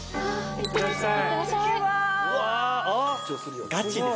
いってらっしゃい。